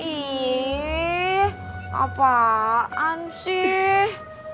ih apaan sih